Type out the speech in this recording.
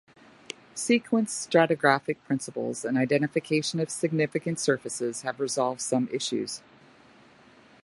Sequence stratigraphic principles and identification of significant surfaces have resolved some issues.